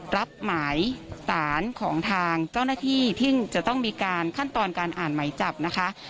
รับหมายสารของทางเจ้าหน้าที่ซึ่งจะต้องมีการขั้นตอนการอ่านหมายจับนะคะ